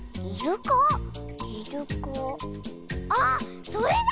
ああっそれだ！